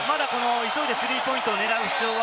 急いでスリーポイントを狙う必要は。